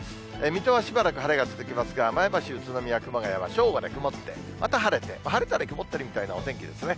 水戸はしばらく晴れが続きますが、前橋、宇都宮、熊谷は正午まで曇って、また晴れて、晴れたり曇ったりみたいなお天気ですね。